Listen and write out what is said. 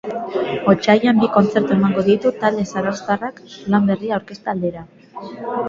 Otsailean bi kontzertu emango ditu talde zarauztarrak lan berria aurkezte aldera.